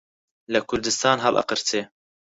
لە کوردستان هەڵئەقرچێ